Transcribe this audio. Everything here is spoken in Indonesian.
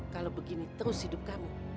kalau begini terus hidup kamu